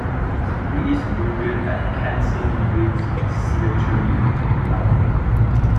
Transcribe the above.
He is buried at Kensal Green Cemetery, London.